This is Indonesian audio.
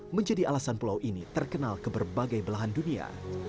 menjadi alasan pulau ini terkenal ke berbagai belahan dunia